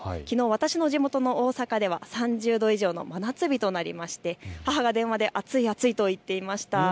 私の地元の大阪では３０度以上の真夏日となりまして母が電話で暑い暑いと言っていました。